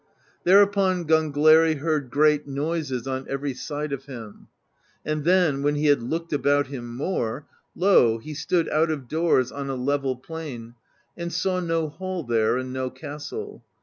Thereupon Gangleri heard great noises on every side of him; and then, when he had looked about him more, lo, he stood out of doors on a level plain, and saw no hall there and no castle.